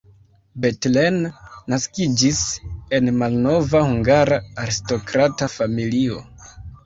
Bethlen naskiĝis en malnova hungara aristokrata familio.